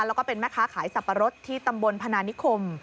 แล้วก็เป็นแม่ค้าขายสับปะรดที่ตำบลพนานิคม